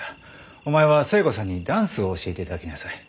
お前は寿恵子さんにダンスを教えていただきなさい。